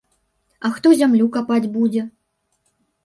А хто зямлю капаць будзе?